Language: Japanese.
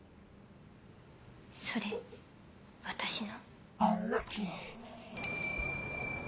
それ私の。